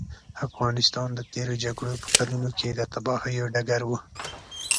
افغانستان د تېرو جګړو په کلونو کې د تباهیو ډګر و.